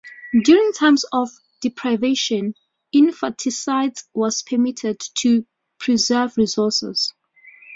During times of deprivation, infanticide was permitted to preserve resources.